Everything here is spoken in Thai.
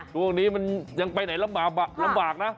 ช่วงนี้มันยังไปไหนลำบากนะ